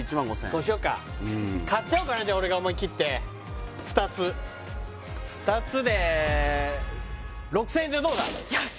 そうしようか買っちゃおうかなじゃ俺が思い切って２つで６０００円でどうだ？